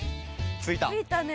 着いたね。